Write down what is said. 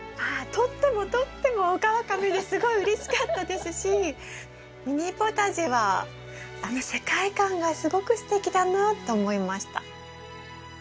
とってもとってもオカワカメですごいうれしかったですしミニポタジェはあの世界観がすごくすてきだなと思いました。